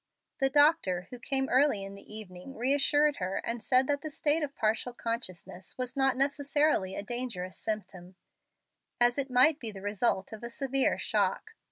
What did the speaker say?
The doctor, who came early in the evening, reassured her, and said that the state of partial consciousness was not necessarily a dangerous symptom, as it might be the result of a severe shock.